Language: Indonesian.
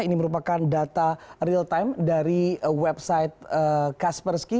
ini merupakan data real time dari website kaspersky